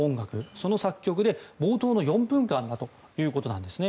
その作曲で冒頭の４分間だということなんですね。